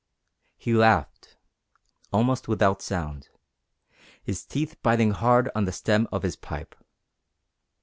He laughed, almost without sound, his teeth biting hard on the stem of his pipe.